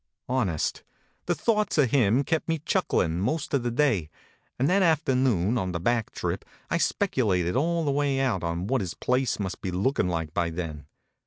Honest, the thoughts of him kept me chucklin most of the day, and that after noon on the back trip I speculated all the way out on what his place must be lookin like by then.